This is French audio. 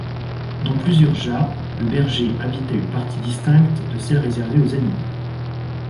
Dans plusieurs jas, le berger habitait une partie distincte de celle réservée aux animaux.